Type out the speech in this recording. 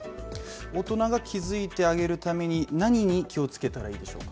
大人が気づいてあげるために何に気をつけたらいいでしょうか？